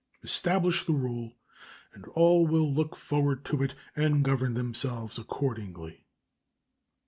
Establish the rule, and all will look forward to it and govern themselves accordingly.